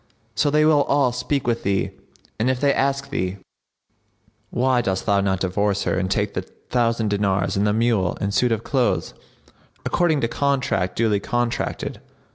So they will all speak with thee, and if they ask thee, 'Why dost thou not divorce her and take the thousand dinars and the mule and suit of clothes, according to contract duly contracted?'